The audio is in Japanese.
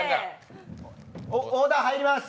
オーダー入ります！